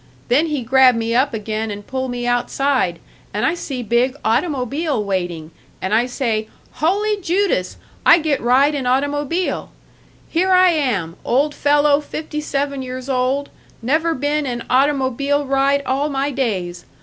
Then he grab me up' again and pull me outside, and I see big automobile waiting, and I say, 'Holy Judas! I get ride in automobile! Here I am, old fellow fifty seven years old, never been in automobile ride all my days.